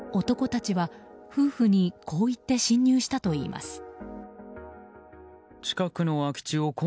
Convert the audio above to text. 男たちは、夫婦にこう言って侵入したといいます。